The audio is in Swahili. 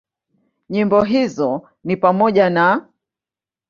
Nyimbo hizo ni pamoja na;